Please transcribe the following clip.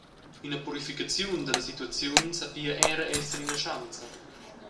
Ina purificaziun dalla situaziun sa pia era esser ina schanza.